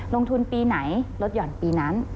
ลงทุนปีไหนลดห่อนปีนั้น